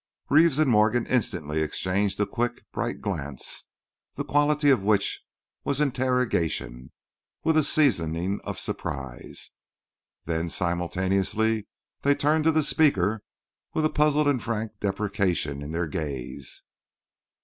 Reeves and Morgan instantly exchanged a quick, bright glance, the quality of which was interrogation, with a seasoning of surprise. Then, simultaneously they turned to the speaker with a puzzled and frank deprecation in their gaze.